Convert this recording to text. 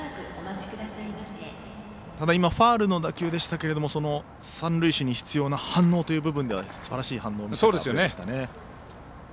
ただ、今ファウルの打球でしたけれども三塁手に必要な反応という部分ですばらしい反応を見せましたね。